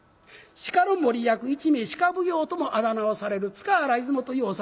鹿の守り役１名鹿奉行ともあだ名をされる塚原出雲というお侍。